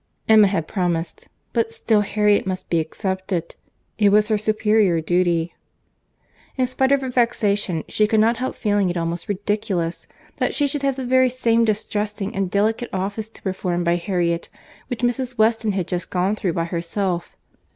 —Emma had promised; but still Harriet must be excepted. It was her superior duty. In spite of her vexation, she could not help feeling it almost ridiculous, that she should have the very same distressing and delicate office to perform by Harriet, which Mrs. Weston had just gone through by herself.